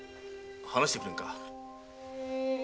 話してくれんか？